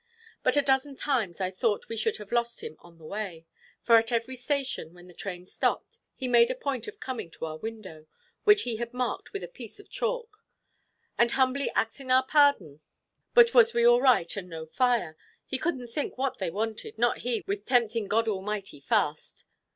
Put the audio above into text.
But a dozen times I thought we should have lost him on the way; for at every station, where the train stopped, he made a point of coming to our window, which he had marked with a piece of chalk, and "humbly axing our pardon, but was we all right and no fire? He couldn't think what they wanted, not he, with tempting God Almighty fast."